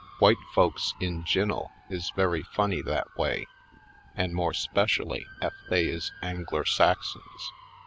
W'ite folks in gin'el is very funny that way an' more 'specially ef they is Angler Saxons.